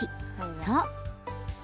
そう。